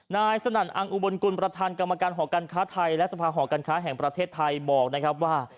นายสนั่นอังอุบลกุลประธานกรรมการหอการค้าไทยและสภาหอการค้าแห่งประเทศไทยบอกนะครับว่า